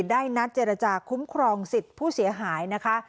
ได้นัดเจรจาคุ้มครองสิทธิ์ผู้เสียหายนะคะ